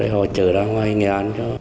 họ chở ra ngoài nghe ăn cho